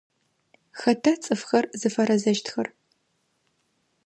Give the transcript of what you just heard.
Хэта цӏыфхэр зыфэрэзэщтхэр?